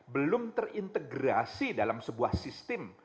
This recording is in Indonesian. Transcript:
belum terintegrasi dalam sebuah sistem